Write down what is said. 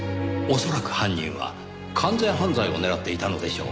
恐らく犯人は完全犯罪を狙っていたのでしょう。